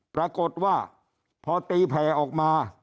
ปรากฏว่าพอตีแผ่ออกมา